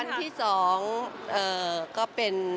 อันที่๒ก็เป็น